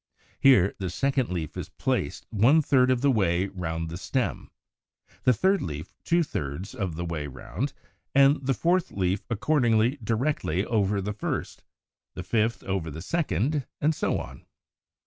Here the second leaf is placed one third of the way round the stem, the third leaf two thirds of the way round, the fourth leaf accordingly directly over the first, the fifth over the second, and so on.